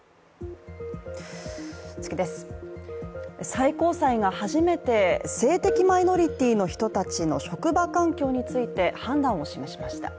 最高裁が始めて、性的マイノリティの人たちの職場環境について判断を示しました。